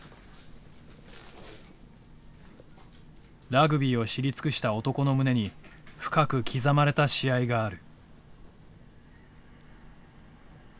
ラグビーを知り尽くした男の胸に深く刻まれた試合がある。